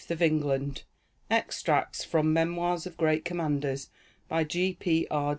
OF ENGLAND Extracts from "Memoirs of Great Commanders," by G. P. R.